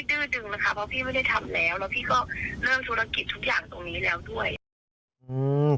แต่พี่ก็ไม่ได้ดื้อดึงนะคะเพราะพี่ไม่ได้ทำแล้วแล้วพี่ก็เรื่องธุรกิจทุกอย่างตรงนี้แล้วด้วย